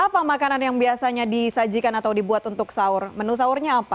apa makanan yang biasanya disajikan atau dibuat untuk sahur menu sahurnya apa